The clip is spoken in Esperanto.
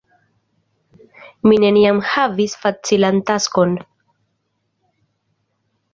Mi neniam havis facilan taskon.